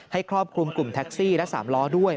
ครอบคลุมกลุ่มแท็กซี่และ๓ล้อด้วย